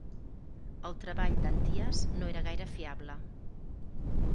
El treball d'Antias no era gaire fiable.